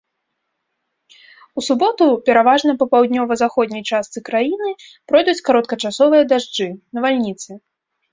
У суботу пераважна па паўднёва-заходняй частцы краіны пройдуць кароткачасовыя дажджы, навальніцы.